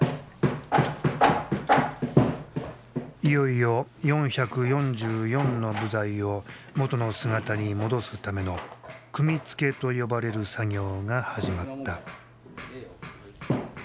いよいよ４４４の部材を元の姿に戻すための組み付けと呼ばれる作業が始まった。